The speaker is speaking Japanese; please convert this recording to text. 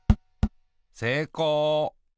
せいこう。